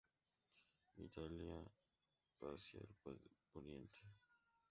Italia hacia el poniente.